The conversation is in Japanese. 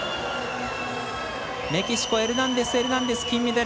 メキシコエルナンデスエルナンデス金メダル！